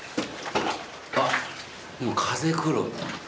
あっもう風来る。